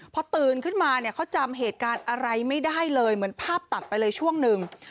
พอตื่นขึ้นมาเนี่ยเขาจำเหตุการณ์อะไรไม่ได้เลยเหมือนภาพตัดไปเลยช่วงหนึ่ง